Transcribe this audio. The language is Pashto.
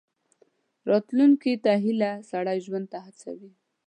راتلونکي ته هیله، سړی ژوند ته هڅوي.